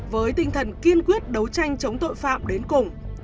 với tinh thần kiên quyết đấu tranh chống tội phạm đến cùng